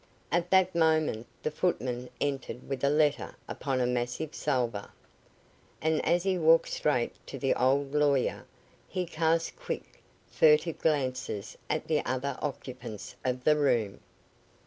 At that moment the footman entered with a letter upon a massive salver, and as he walked straight to the old lawyer, he cast quick, furtive glances at the other occupants of the room.